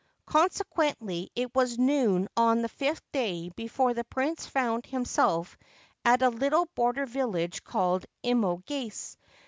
Consequently, it was noon on the fifth day before the Prince found himself at a little border village called Imogase.